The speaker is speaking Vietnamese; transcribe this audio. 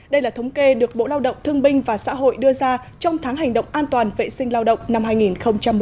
đây là thống kê được bộ lao động thương binh và xã hội đưa ra trong tháng hành động an toàn vệ sinh lao động năm hai nghìn một mươi chín